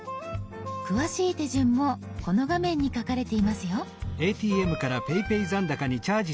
詳しい手順もこの画面に書かれていますよ。